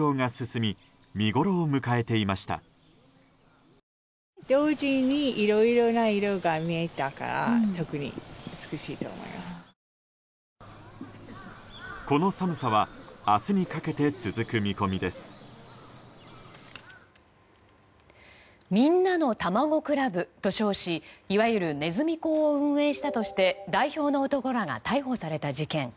みんなのたまご倶楽部と称しいわゆるネズミ講を運営したとして代表の男らが逮捕された事件。